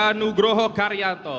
bribka nugroho karyanto